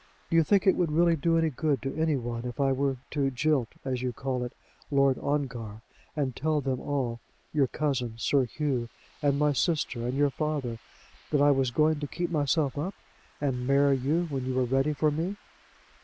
Do you think it would really do any good to any one if I were to jilt, as you call it, Lord Ongar, and tell them all, your cousin, Sir Hugh, and my sister, and your father, that I was going to keep myself up, and marry you when you were ready for me?"